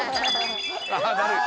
ああっだるい！